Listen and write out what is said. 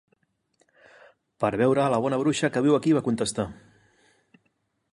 "Per veure a la Bona Bruixa que viu aquí." Va contestar.